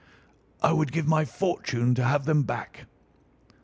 "I would give my fortune to have them back."